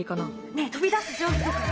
ねえ飛び出す定規とかは？